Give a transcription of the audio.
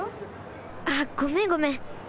あっごめんごめん。